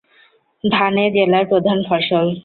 ধান এ জেলার প্রধান ফসল।